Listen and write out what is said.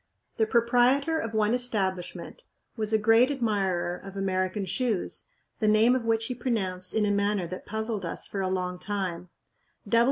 The proprietor of one establishment was a great admirer of American shoes, the name of which he pronounced in a manner that puzzled us for a long time.